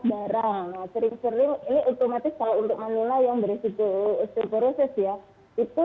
barang sering sering ini otomatis kalau untuk manila yang beristirahat osteoporosis ya itu